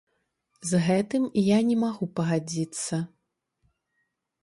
З гэтым я не магу пагадзіцца.